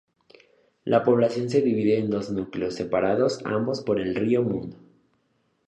La población se divide en dos núcleos, separados ambos por el río Mundo.